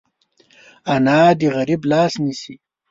انا د غریب لاس نیسي